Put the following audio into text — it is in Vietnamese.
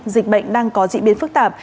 dịch bệnh đang có dị biến phức tạp